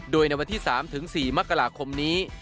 โดยในวันที่๓๔มกราคมนี้